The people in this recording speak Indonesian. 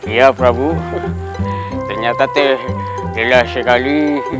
iya prabu ternyata teh lelah sekali